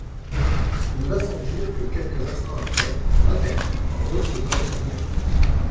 Il va sans dire que, quelques instants après, Matakit recouvrait sa liberté.